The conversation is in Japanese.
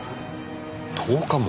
１０日も？